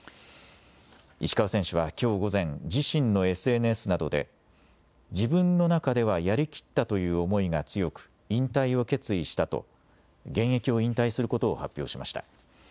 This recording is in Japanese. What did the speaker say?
石川選手はきょう午前、自身のＳＮＳなどで、自分の中ではやりきったという思いが強く、引退を決意したと、現役を引退することを発表しました。